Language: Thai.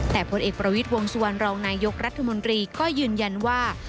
แต่ผลเอกประวิทย์วงสุวรรณรองนายยกรัฐมนตรีก็ยืนยันว่า